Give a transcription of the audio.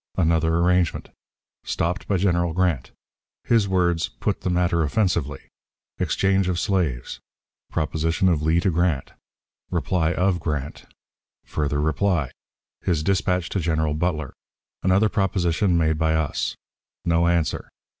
Another Arrangement. Stopped by General Grant. His words, "Put the Matter offensively." Exchange of Slaves. Proposition of Lee to Grant. Reply of Grant. Further Reply. His Dispatch to General Butler. Another Proposition made by us. No Answer.